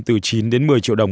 từ chín đến một mươi triệu đồng